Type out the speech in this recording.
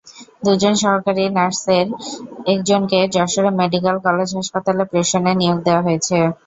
দুজন সহকারী নার্সের একজনকে যশোর মেডিকেল কলেজ হাসপাতালে প্রেষণে নিয়োগ দেওয়া হয়েছে।